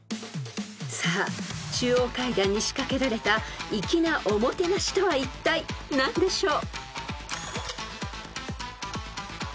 ［さあ中央階段に仕掛けられた粋なおもてなしとはいったい何でしょう？］